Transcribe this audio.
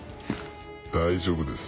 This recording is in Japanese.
大丈夫です。